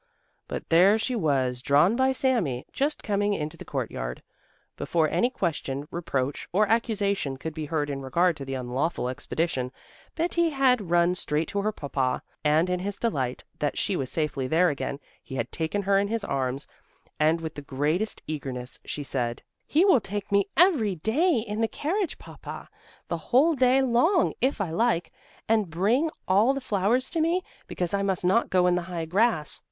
But there she was, drawn by Sami, just coming into the courtyard. Before any question, reproach or accusation could be heard in regard to the unlawful expedition, Betti had run straight to her Papa, and in his delight that she was safely there again, he had taken her in his arms, and with the greatest eagerness she said: "He will take me every day in the carriage, Papa, the whole day long, if I like, and bring all the flowers to me, because I must not go in the high grass.